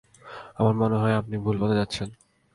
আমার মনে হয় আপনি ভুল পথে যাচ্ছেন।